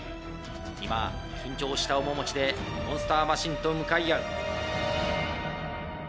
今緊張した面持ちでモンスターマシンと向かい合う。